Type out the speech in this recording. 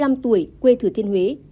quê thử thiên huế